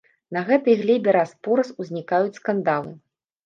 На гэтай глебе раз-пораз узнікаюць скандалы.